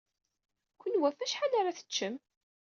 Kenwi ɣef wacḥal ara teččem?